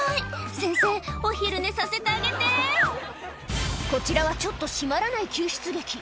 先生お昼寝させてあげてこちらはちょっと締まらない救出劇